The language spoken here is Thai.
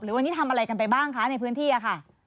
วันนี้ทำอะไรกันไปบ้างคะในพื้นที่ค่ะ